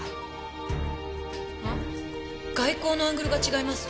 あっ外光のアングルが違います。